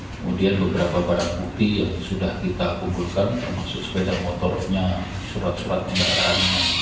kemudian beberapa barang bukti yang sudah kita kumpulkan termasuk sepeda motornya surat surat kendaraan